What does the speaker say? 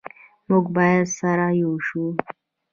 موږ باید سره ېو شو